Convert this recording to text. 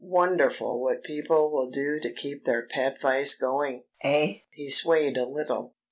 Wonderful what people will do to keep their pet vice going.... Eh?" He swayed a little.